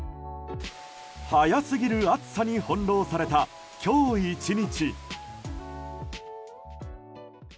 早すぎる暑さに翻弄された今日１日。